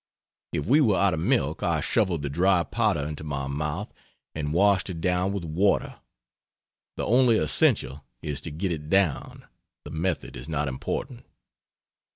If we were out of milk I shoveled the dry powder into my mouth and washed it down with water. The only essential is to get it down, the method is not important.